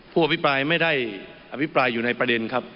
ผู้อภิปรายไม่ได้อภิปรายอยู่ในประเด็นครับ